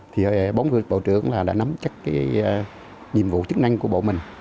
thì bốn người bộ trưởng đã nắm chắc cái nhiệm vụ chức năng của bộ mình